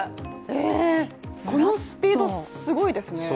このスピード、すごいですね。